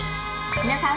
皆さん